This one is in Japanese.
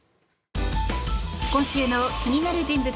今週の気になる人物